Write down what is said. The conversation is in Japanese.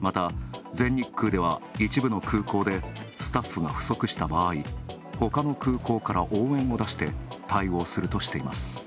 また、全日空では、一部の空港でスタッフが不足した場合、ほかの空港から応援を出して対応するとしています。